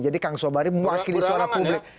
kang sobari mewakili suara publik